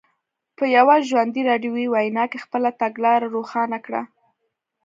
په یوه ژوندۍ راډیویي وینا کې خپله تګلاره روښانه کړه.